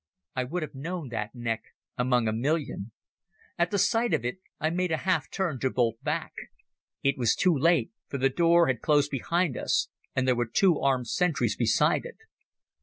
I would have known that neck among a million. At the sight of it I made a half turn to bolt back. It was too late, for the door had closed behind us and there were two armed sentries beside it.